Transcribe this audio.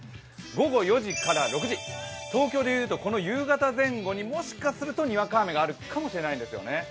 午後４時から６時、東京でいうと夕方前後にもしかするとにわか雨があるかもしれないんですね。